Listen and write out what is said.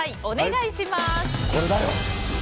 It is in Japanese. お願いします。